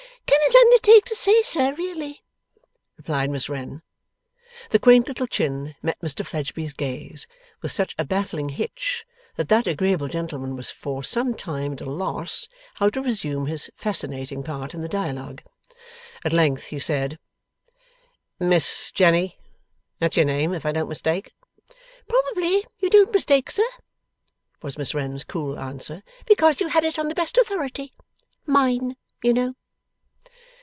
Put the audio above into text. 'Cannot undertake to say, sir, really,' replied Miss Wren. The quaint little chin met Mr Fledgeby's gaze with such a baffling hitch, that that agreeable gentleman was for some time at a loss how to resume his fascinating part in the dialogue. At length he said: 'Miss Jenny! That's your name, if I don't mistake?' 'Probably you don't mistake, sir,' was Miss Wren's cool answer; 'because you had it on the best authority. Mine, you know.